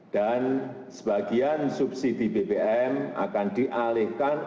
dan sebagian subsidi bbm akan dialihkan